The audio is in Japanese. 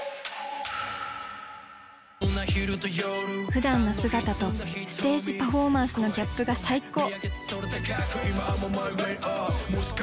ふだんの姿とステージパフォーマンスのギャップが最高！